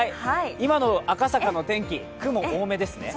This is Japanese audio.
今の赤坂の天気、雲多めですね。